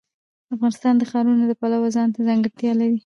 افغانستان د ښارونه د پلوه ځانته ځانګړتیا لري.